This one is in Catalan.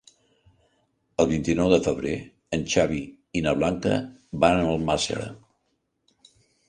El vint-i-nou de febrer en Xavi i na Blanca van a Almàssera.